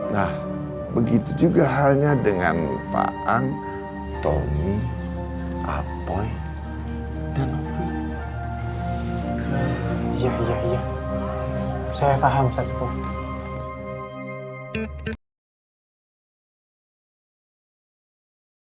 nah begitu juga halnya dengan pak ang tommy apoi dan ovi